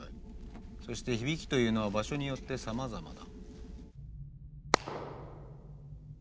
そして響きというのは場所によってさまざまだ。